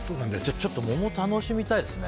ちょっと桃楽しみたいですね。